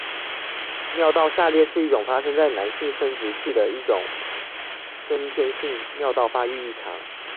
尿道下裂是一种发生在男性生殖器的一种先天性尿道发育异常。